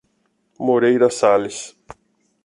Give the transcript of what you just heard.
Moreira Sales